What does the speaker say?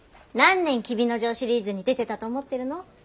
何年「黍之丞」シリーズに出てたと思ってるの。